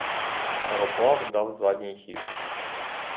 Пароплав дав задній хід.